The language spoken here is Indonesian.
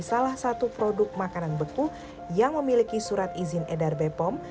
salah satu produk makanan beku yang memiliki surat izin edar bepom